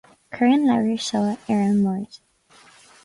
Cuir na leabhair seo ar an mbord